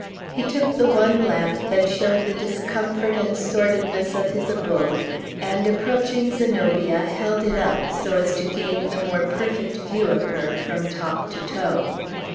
He took the one lamp that showed the discomfort and sordidness of his abode, and approaching Zenobia held it up, so as to gain the more perfect view of her, from top to toe.